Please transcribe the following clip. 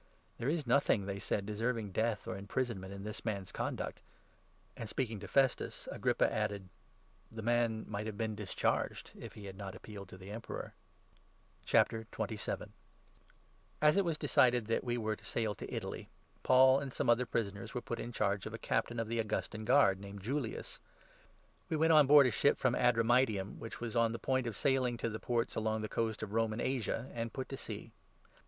"There is nothing," they said, "deserving death or im prisonment in this man's conduct "; and, speaking to Festus, 32 Agrippa added : "The man might have been discharged, if he had not appealed to the Emperor." Paul's ^s • was Decided that we were to sail to Italy, i voyage to Paul and some other prisoners were put in charge Rome. of a Captain of the Augustan Guard, named Julius. We went on board a ship from Adramyttium, which was on 2 the point of sailing to the ports along the coast of Roman Asia, and put to sea.